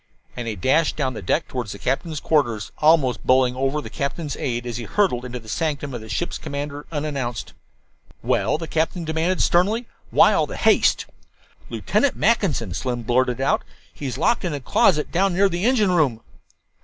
And he dashed down the deck toward the captain's quarters, almost bowling over the captain's aide as he hurtled into the sanctum of the ship's commander unannounced. "Well?" the captain demanded sternly. "Why all the haste?" "Lieutenant Mackinson," Slim blurted out; "he's locked in a closet down near the engine room."